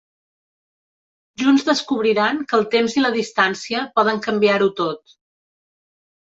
Junts descobriran que el temps i la distància poden canviar-ho tot.